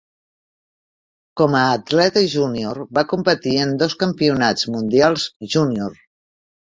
Com a atleta júnior va competir en dos Campionats Mundials Junior.